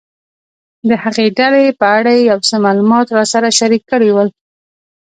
د هغې ډلې په اړه یې یو څه معلومات راسره شریک کړي ول.